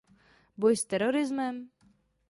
Boj s terorismem?